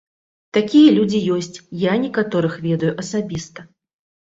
Такія людзі ёсць, я некаторых ведаю асабіста.